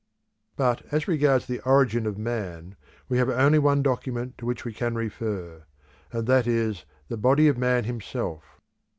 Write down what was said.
But as regards the origin of man, we have only one document to which we can refer; and that is the body of man himself.